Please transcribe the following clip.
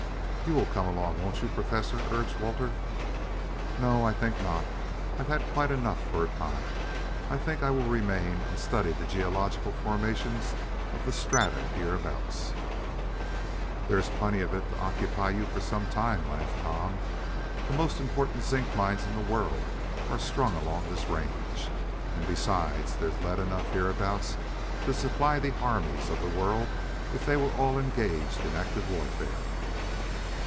"You will come along, won't you, Professor?" urged Walter. "No, I think not. I've had quite enough for a time. Think I will remain and study the geological formations of the strata hereabouts." "There's plenty of it to occupy you for some time," laughed Tom. "The most important zinc mines in the world are strung along this range. And besides, there's lead enough hereabouts to supply the armies of the world if they were all engaged in active warfare."